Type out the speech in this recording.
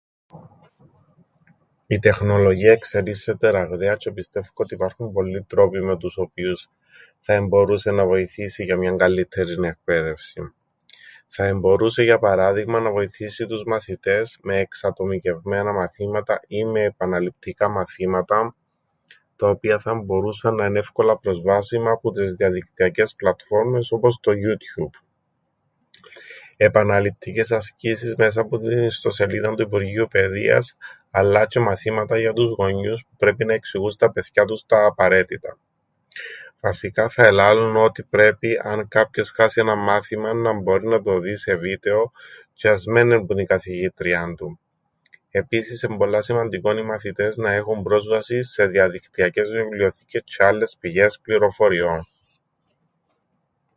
Η τεχνολογία εξελίσσεται ραγδαία τζ̆αι πιστεύκω ότι υπάρχουν πολλοί τρόποι με τους οποίους θα εμπορο΄υσεν να βοηθήσει για μιαν καλλ΄ύττερην εκπαίδευσην. Θα εμπορούσεν για παράδειγμαν να βοηθήσει τους μαθητές με εξατομικευμένα μαθήματα ή με επαναληπτικά μαθήματα, τα οποία θα μπορούσαν να εν' εύκολα προσβάσιμα που τες διαδικτυακές πλατφόρμες όπως το YouTube. Επαναληπτικές ασκήσεις μέσα που την ιστοσελίδαν του Υπουργείου Παιδείας αλλά τζ̆αι μαθήματα για τους γονιούς που πρέπει να εξηγούν στα παιθκιά τους τα απαραίτητα. Βασικά θα ελάλουν ότι πρέπει αν κάποιος χάσει έναν μάθημαν να μπορεί να το δει σε βίτεο τζ̆αι ας μεν εν' που την καθηγήτριαν του. Επίσης εν' πολλά σημαντικόν οι μαθητές να έχουν πρόσβασην σε διαδικτυακές βιβλιοθήκες τζ̆αι άλλες πηγές πληροφοριών.